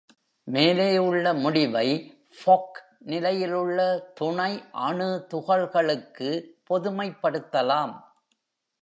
மேலே உள்ள முடிவை Fock நிலையில் உள்ள துணை அணு துகள்களுக்கு பொதுமைப்படுத்தலாம்.